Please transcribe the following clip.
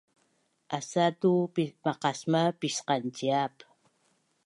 asatu maqasmav pisqanciap